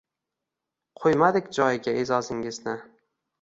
Qo’ymadik joyiga e’zozingizni